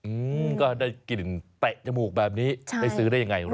อืมก็ได้กลิ่นเตะจมูกแบบนี้ใช่ได้ซื้อได้ยังไง